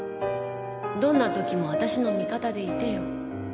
どんな時も私の味方でいてよ。